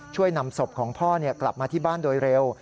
นำศพของพ่อกลับมาที่บ้านโดยเร็ว